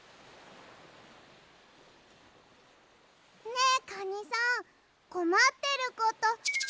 ねえカニさんこまってること。